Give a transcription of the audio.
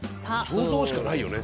想像しかないよね。